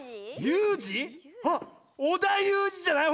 あっ！